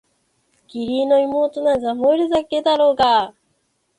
義理の妹なんざ萌えるだけだろうがあ！